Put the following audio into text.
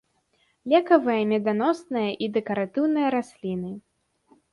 Лекавыя, меданосныя і дэкаратыўныя расліны.